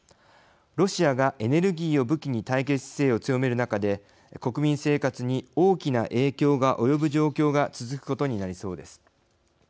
ロシアがエネルギーを武器に対決姿勢を強める中で国民生活に大きな影響が及ぶ状況が続くことになりそうです。